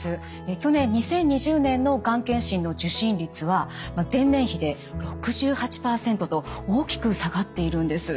去年２０２０年のがん検診の受診率は前年比で６８％と大きく下がっているんです。